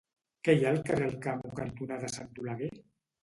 Què hi ha al carrer Alcamo cantonada Sant Oleguer?